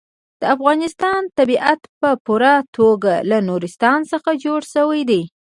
د افغانستان طبیعت په پوره توګه له نورستان څخه جوړ شوی دی.